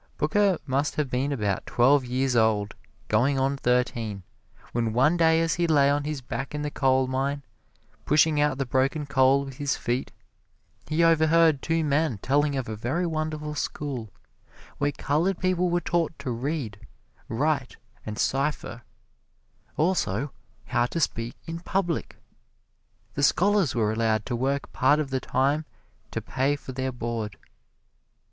Booker must have been about twelve years old, goin' on thirteen, when one day as he lay on his back in the coalmine, pushing out the broken coal with his feet, he overheard two men telling of a very wonderful school where colored people were taught to read, write and cipher also, how to speak in public. The scholars were allowed to work part of the time to pay for their board.